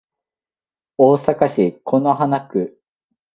大阪市此花区